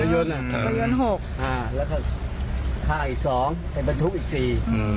ในยนน่ะมันยนต์หกอ่าแล้วก็ข้าอีกสองในบรรทุกอีกสี่